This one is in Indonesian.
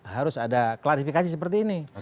harus ada klarifikasi seperti ini